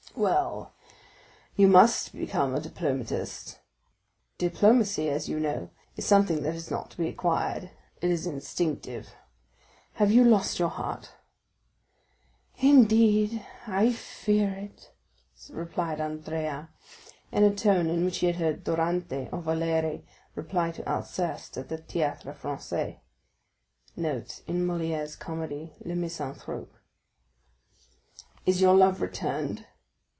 "Well, you must become a diplomatist; diplomacy, you know, is something that is not to be acquired; it is instinctive. Have you lost your heart?" "Indeed, I fear it," replied Andrea, in the tone in which he had heard Dorante or Valère reply to Alceste21 at the Théâtre Français. "Is your love returned?"